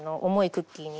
クッキーに。